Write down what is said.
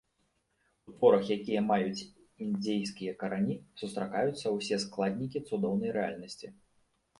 У творах, якія маюць індзейскія карані, сустракаюцца ўсе складнікі цудоўнай рэальнасці.